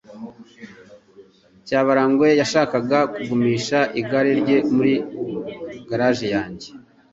Cyabarangwe yashakaga kugumisha igare rye muri garage yanjye.